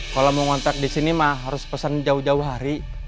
kalau mau kontrak disini mah harus pesen jauh jauh hari